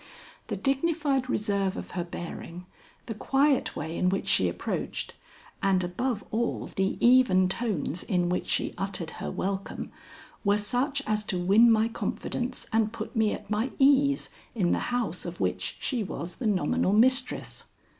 The dignified reserve of her bearing, the quiet way in which she approached, and, above all, the even tones in which she uttered her welcome, were such as to win my confidence and put me at my ease in the house of which she was the nominal mistress.